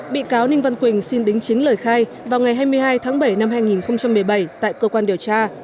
bị cáo ninh văn quỳnh xin đính chính lời khai vào ngày hai mươi hai tháng bảy năm hai nghìn một mươi bảy tại cơ quan điều tra